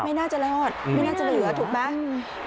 ไม่น่าจะรอดไม่น่าจะเหลือถูกไหม